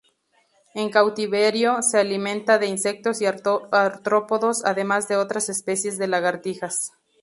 En cautiverio se alimenta de insectos y artrópodos, además de otras especies de lagartijas.